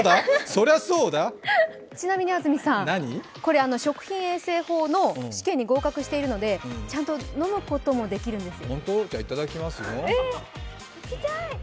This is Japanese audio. ちなみに安住さん、食品衛生法の試験に合格していますので、ちゃんと飲むこともできるんです。